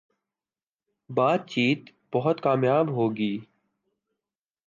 باتچیت بہت کامیاب ہو گی